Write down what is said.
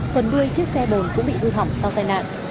phần đuôi chiếc xe đồn cũng bị hư hỏng sau tai nạn